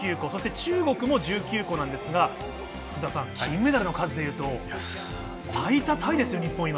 中国も１９個なんですが金メダルの数でいうと最多タイですよ、日本は。